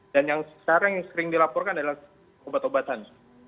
dan yang sekarang yang sering dilaporkan adalah obat obatan